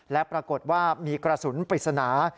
และปรากฏว่ามีกระสุนปริศนา